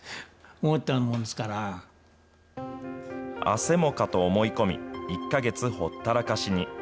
あせもかと思い込み、１か月、ほったらかしに。